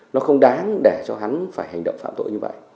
nó không đáng để cho hắn phải hành động phạm tội như vậy